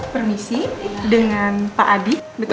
permisi dengan pak adi